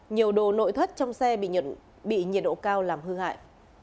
nhiều đồ nội thất trong xe bị nhiệt độ cao làm hư hại